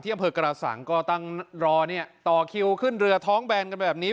อำเภอกระสังก็ตั้งรอเนี่ยต่อคิวขึ้นเรือท้องแบนกันแบบนี้